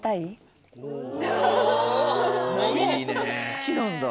好きなんだ。